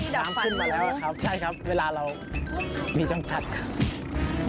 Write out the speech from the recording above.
น้ำขึ้นมาแล้วครับใช่ครับเวลาเรามีจ้ำถัดครับดับฟันดีนะ